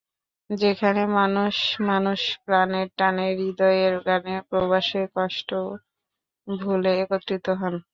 যেখানে মানুষে মানুষ প্রাণের টানে, হূদয়ের গানে প্রবাসের কষ্ট ভুলে একত্রিত হন।